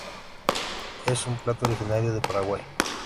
Es un plato originario de Paraguay.